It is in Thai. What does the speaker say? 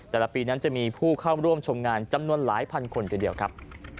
แต่ละปีนั้นจะมีผู้เข้าร่วมชมงานจำนวนหลายพันคนทีเดียวครับ